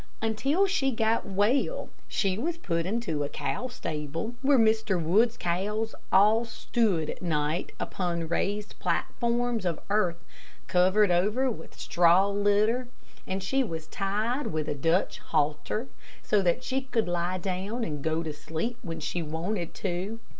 Until she got well, she was put into the cow stable, where Mr. Wood's cows all stood at night upon raised platforms of earth covered over with straw litter, and she was tied with a Dutch halter, so that she could lie down and go to sleep when she wanted to.